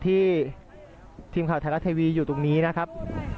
ทีมข่าวไทยรัฐทีวีอยู่ตรงนี้นะครับ